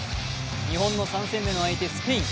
日本の３戦目の相手、スペイン。